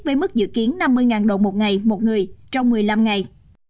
với mức dự kiến năm mươi đồng một ngày một người trong một mươi năm ngày